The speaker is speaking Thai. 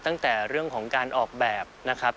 ตั้งแต่เรื่องของการออกแบบนะครับ